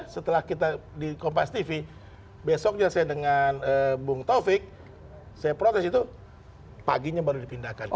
setelah kita di kompas tv besoknya saya dengan bung taufik saya protes itu paginya baru dipindahkan